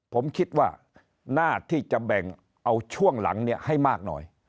ผมคิดว่าหน้าที่จะแบ่งเอาช่วงหลังให้มากหน่อย